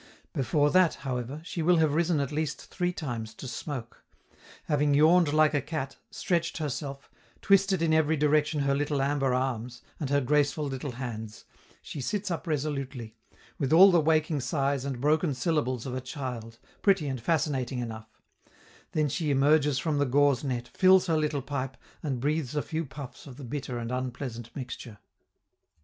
Before that, however, she will have risen at least three times to smoke: having yawned like a cat, stretched herself, twisted in every direction her little amber arms, and her graceful little hands, she sits up resolutely, with all the waking sighs and broken syllables of a child, pretty and fascinating enough; then she emerges from the gauze net, fills her little pipe, and breathes a few puffs of the bitter and unpleasant mixture.